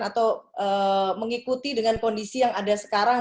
atau mengikuti dengan kondisi yang ada sekarang